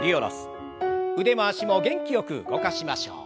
腕も脚も元気よく動かしましょう。